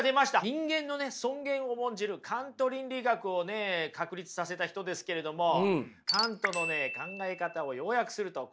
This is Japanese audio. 人間の尊厳を重んじるカント倫理学を確立させた人ですけれどもカントの考え方を要約するとこんな感じになります。